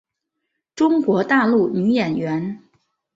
中国大陆女演员。